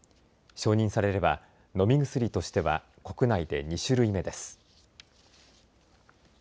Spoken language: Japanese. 承認されれば飲み薬としては国内で２種類目です。